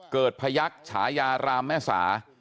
พยักษ์ฉายารามแม่สา